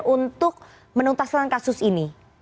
untuk menuntaskan kasus ini